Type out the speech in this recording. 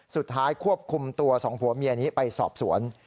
สุดท้ายควบคุมตัวสองผัวเมียนี้ไปสอบสวน